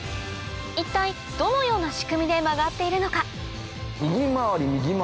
一体どのような仕組みで曲がっているのか？